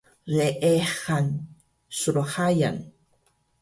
leexan slhayan